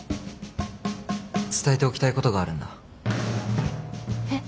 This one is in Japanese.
伝えておきたいことがあるんだ。